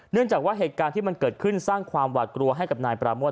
เนื่องจากว่าเหตุการณ์ที่มันเกิดขึ้นสร้างความหวาดกลัวให้กับนายปราโมท